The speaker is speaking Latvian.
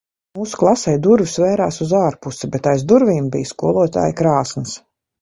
Mūsu klasei durvis vērās uz ārpusi bet aiz durvīm bija skolotāja krāsns.